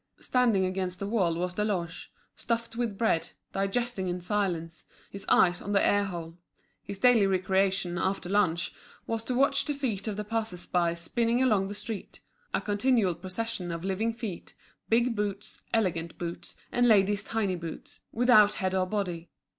Standing against the wall was Deloche, stuffed with bread, digesting in silence, his eyes on the air hole; his daily recreation, after lunch, was to watch the feet of the passers by spinning along the street, a continual procession of living feet, big boots, elegant boots, and ladies' tiny boots, without head or body.